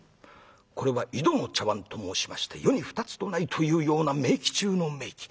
これは井戸の茶碗と申しまして世に二つとないというような名器中の名器。